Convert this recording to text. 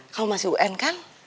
kamu masih un kan